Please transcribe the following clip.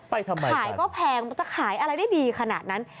ทำไมขายก็แพงมันจะขายอะไรได้ดีขนาดนั้น